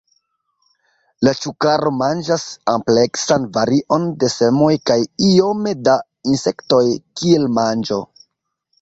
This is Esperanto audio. La Ĉukaro manĝas ampleksan varion de semoj kaj iome da insektoj kiel manĝo.